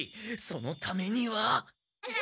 そのためには。